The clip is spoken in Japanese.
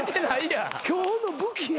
今日の武器や。